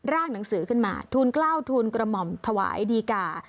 หนังสือขึ้นมาทูลกล้าวทูลกระหม่อมถวายดีกา